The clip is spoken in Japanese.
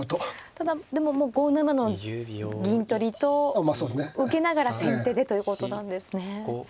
ただでももう５七の銀取りと受けながら先手でということなんですね。